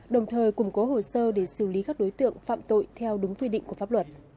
đồng thời củng cố hồ sơ để xử lý các đối tượng phạm tội theo đúng quy định của pháp luật